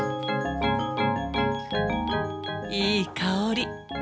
いい香り。